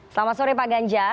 selamat sore pak ganjar